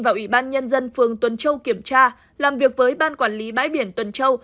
và ủy ban nhân dân phường tuần châu kiểm tra làm việc với ban quản lý bãi biển tuần châu